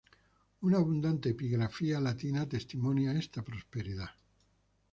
Una abundante epigrafía latina testimonia esta prosperidad.